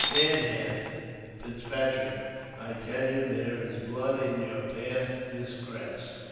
Bad Hand (Fitzpatrick), I tell you there is blood in your path this grass.